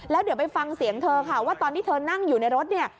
แล้วเดี๋ยวไปฟังเสียงเธอค่ะว่าตอนที่เธอนั่งอยู่ในรถเนี่ย